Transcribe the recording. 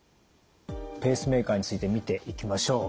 ペースメーカーについて見ていきましょう。